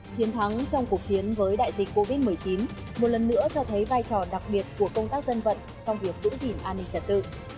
chiến thắng trong cuộc chiến với đại dịch covid một mươi chín một lần nữa cho thấy vai trò đặc biệt của công tác dân vận trong việc giữ gìn an ninh trật tự